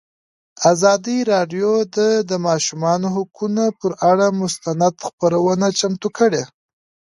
ازادي راډیو د د ماشومانو حقونه پر اړه مستند خپرونه چمتو کړې.